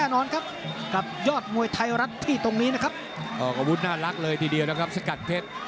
น่ารักเลยทีเดียวนะครับสกัดเพชร